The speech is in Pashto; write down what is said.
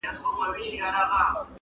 o پردى زوى نه زوى کېږي٫